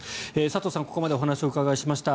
佐藤さんにここまでお話をお伺いしました。